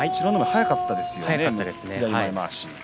速かったです。